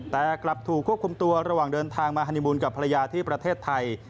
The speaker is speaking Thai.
แต่กลับถูกควบคุมตัวระหว่างเดินทางมาฮานีมูลกับภรรยาที่ประเทศไทย